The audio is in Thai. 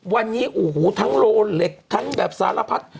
วันนี้โอ้โหทั้งโลเหล็กทั้งแบบสารพัด